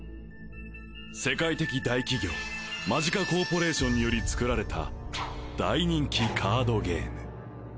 世界的大企業マジカコーポレーションにより作られた大人気カードゲーム